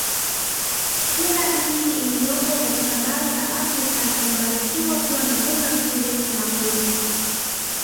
Kila nchi iliyopo katika bara la Afrika imebarikiwa kuwa na mbuga nzuri na kubwa